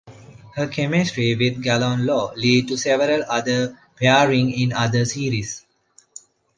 Her chemistry with Gallen Lo lead to several other pairings in other series.